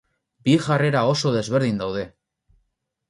Bi jarrera oso desberdin daude.